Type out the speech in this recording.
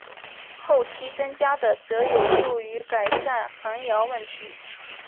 后期增加的则有助于改善横摇问题。